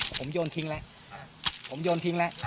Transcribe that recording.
ผมโยนทิ้งแล้วผมโยนทิ้งแล้ว